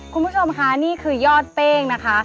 คุณผู้ชมค่ะนี่คือยอดเป้งนะคะ